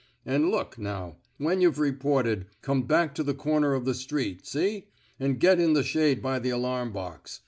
An' look, now: when yuh've reported, come back to the comer of the street, see? an' get in the shade by the alarm box.